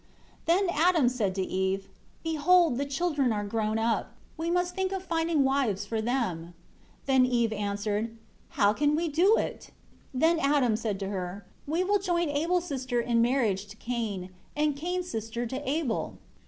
1 Then Adam said to Eve, "Behold the children are grown up; we must think of finding wives for them." 2 Then Eve answered, "How can we do it?" 3 Then Adam said to her, "We will join Abel's sister in marriage to Cain, and Cain's sister to Abel.